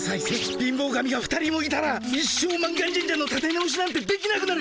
貧乏神が２人もいたら一生満願神社のたて直しなんてできなくなる！